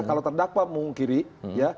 kalau terdakwa mengungkiri ya